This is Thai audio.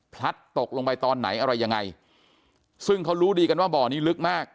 พลัดตกลงไปตอนไหนอะไรยังไงซึ่งเขารู้ดีกันว่าบ่อนี้ลึกมาก